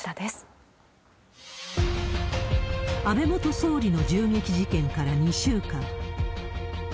安倍元総理の銃撃事件から２週間。